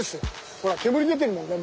ほら煙出てるもんね